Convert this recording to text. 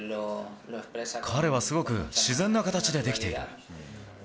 彼はすごく自然な形でできている。